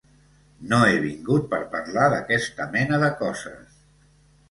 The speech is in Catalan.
No he vingut per parlar d'aquesta mena de coses.